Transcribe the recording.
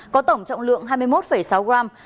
có tổng trọng lượng hai mươi một sáu gram